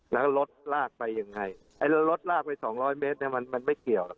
แล้วลดลากไปยังไงลดลากไป๒๐๐เมตรมันไม่เกี่ยว